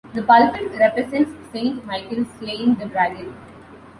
The pulpit represents Saint Michael slaying the dragon.